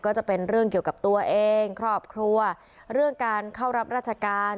จะเป็นเรื่องเกี่ยวกับตัวเองครอบครัวเรื่องการเข้ารับราชการ